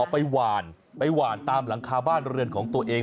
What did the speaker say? ไปหวานไปหวานตามหลังคาบ้านเรือนของตัวเอง